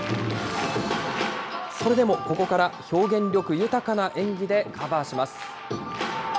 それでもここから表現力豊かな演技でカバーします。